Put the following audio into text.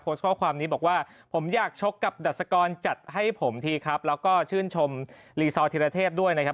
ข้อความนี้บอกว่าผมอยากชกกับดัชกรจัดให้ผมทีครับแล้วก็ชื่นชมลีซอร์ธิรเทพด้วยนะครับ